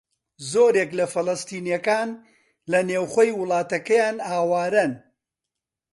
زۆرێک لە فەلەستینییەکان لە نێوخۆی وڵاتەکەیان ئاوارەن.